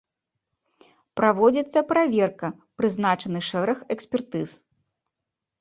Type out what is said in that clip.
Праводзіцца праверка, прызначаны шэраг экспертыз.